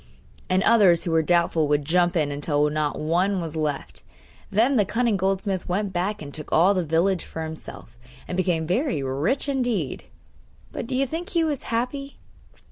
And others who were doubtful would jump in, until not one was left. Then the cunning goldsmith went back and took all the village for himself, and became very rich indeed. But do you think he was happy?